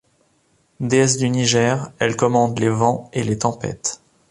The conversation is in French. Déesse du Niger, elle commande les vents et les tempêtes.